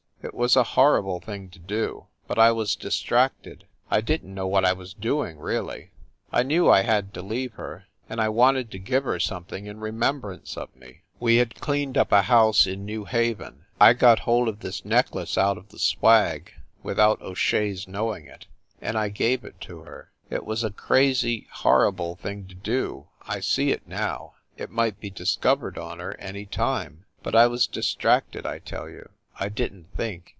It was a horrible thing to do, but I was distracted. I didn t know what I was doing, really. I knew. I had to leave her, and I wanted to give her something in re membrance of me. We had cleaned up a house in New Haven I got hold of this necklace out of the swag, without O Shea s knowing it and I gave it to her. It was a crazy, horrible thing to do, I see it now it might be discovered on her any time but I was distracted, I tell you. I didn t think.